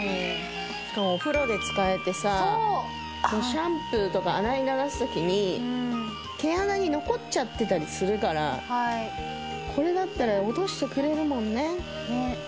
シャンプーとか洗い流す時に毛穴に残っちゃってたりするからこれだったら落としてくれるもんね。